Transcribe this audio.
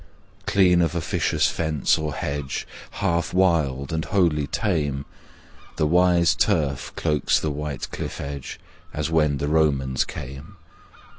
Clean of officious fence or hedge, Half wild and wholly tame, The wise turf cloaks the white cliff edge As when the Romans came.